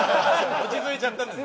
落ち着いちゃったんですね。